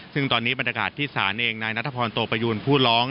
ซึ่งตอนนี้บรรยากาศที่ศาลเองนายนัทพรโตประยูนผู้ร้อง